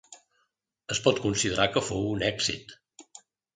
Es pot considerar que fou un èxit.